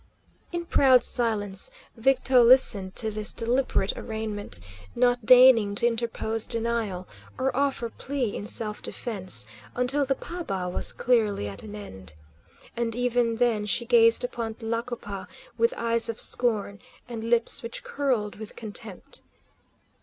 In proud silence Victo listened to this deliberate arraignment, not deigning to interpose denial, or offer plea in self defence, until the paba was clearly at an end. And even then she gazed upon Tlacopa with eyes of scorn, and lips which curled with contempt.